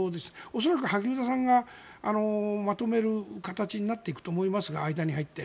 恐らく萩生田さんがまとめる形になっていくと思いますが間に入って。